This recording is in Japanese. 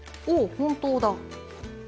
本当だ。